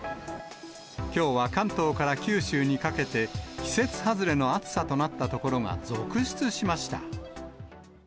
きょうは関東から九州にかけて、季節外れの暑さとなった所が続出しました。